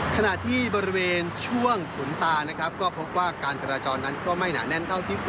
ขณะที่บริเวณช่วงขุนตานะครับก็พบว่าการจราจรนั้นก็ไม่หนาแน่นเท่าที่ควร